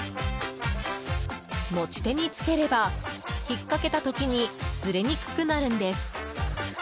持ち手に付ければ引っかけた時にずれにくくなるんです。